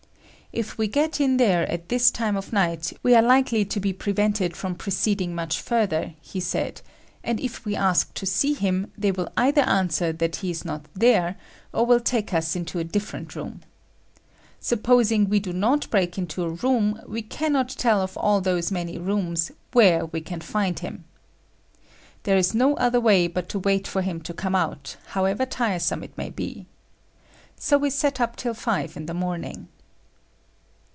If we get in there at this time of night, we are likely to be prevented from preceding much further, he said, and if we ask to see him, they will either answer that he is not there or will take us into a different room. Supposing we do break into a room, we cannot tell of all those many rooms, where we can find him. There is no other way but to wait for him to come out, however tiresome it may be. So we sat up till five in the morning.